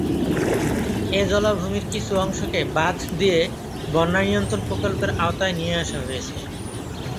এ জলাভূমির কিছু অংশকে বাঁধ দিয়ে বন্যা নিয়ন্ত্রণ প্রকল্পের আওতায় নিয়ে আসা হয়েছে।